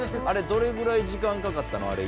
あれどれぐらい時間かかったの？